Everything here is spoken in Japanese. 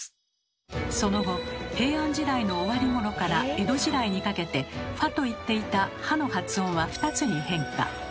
その後平安時代の終わり頃から江戸時代にかけて「ふぁ」といっていた「は」の発音は２つに変化。